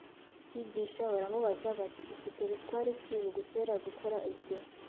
yigisha baramubaza bati “Ufite butware ki bugutera gukora ibyo?